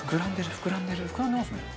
膨らんでますね。